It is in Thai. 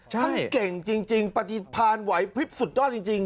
ใช่ท่านเก่งจริงจริงปฏิพันธ์ไวพริบสุดด้อนจริงจริง